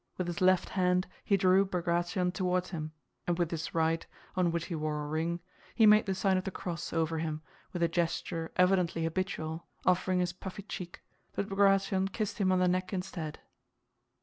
With his left hand he drew Bagratión toward him, and with his right, on which he wore a ring, he made the sign of the cross over him with a gesture evidently habitual, offering his puffy cheek, but Bagratión kissed him on the neck instead.